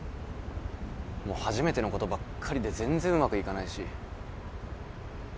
もう初めてのことばっかりで全然うまくいかないし。